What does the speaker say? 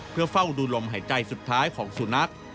เพื่อเฝ้าดูลมหายใจสุดท้ายของสุนัข